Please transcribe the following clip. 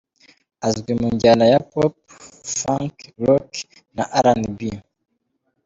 Azwi mu njyana ya Pop, Funk, Rock na R&B .